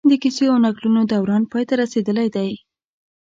د کيسو او نکلونو دوران پای ته رسېدلی دی